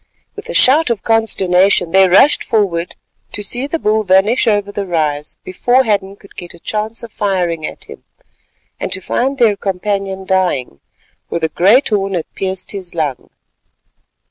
With a shout of consternation they rushed forward to see the bull vanish over the rise before Hadden could get a chance of firing at him, and to find their companion dying, for the great horn had pierced his lung.